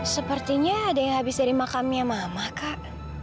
sepertinya ada yang habis dari makamnya mama kak